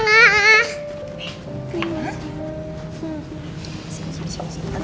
rumah masih aktif